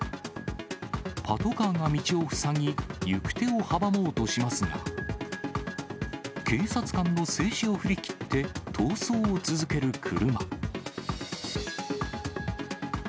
パトカーが道を塞ぎ、行く手を阻もうとしますが、警察官の制止を振り切って、逃走を続ける車。